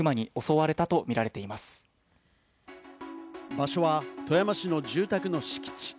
場所は富山市の住宅の敷地。